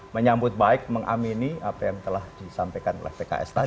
menyambut baik mengamini apa yang telah disampaikan oleh pks tadi